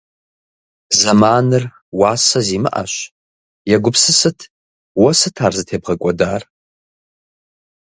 Зэманыр уасэ зимыӏэщ. Егупсысыт, уэ сыт ар зытебгъэкӏуадэр?